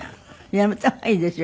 やめた方がいいですよ